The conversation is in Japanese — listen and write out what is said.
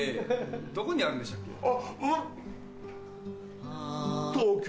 どこにあるんでしたっけ？ですよね！